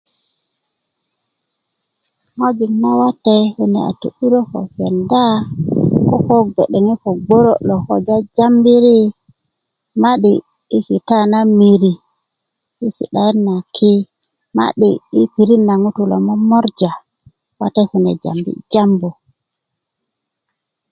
ŋojik nawate kune a to'durö ko kenda koko bge'deŋe ko bgoro' loŋ ko jajambiri ma'di i kita na miri i si'daet naki ma'di i pirit na ŋutu loŋ lo momorja wate kune jambi jambu